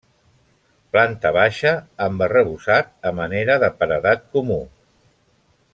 Planta baixa amb arrebossat a manera de paredat comú.